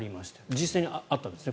実際にあったんですね。